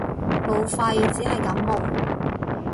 武肺只係感冒